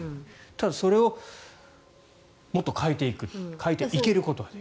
ただ、それをもっと変えていく変えていくことができる。